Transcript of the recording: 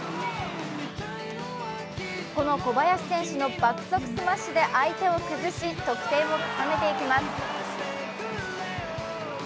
この小林選手の爆速スマッシュで相手を崩し得点を重ねていきます。